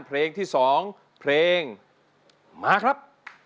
เพลงที่๒เพลงมาครับ